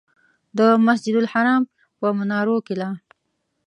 د مسجدالحرام په منارونو کې لا.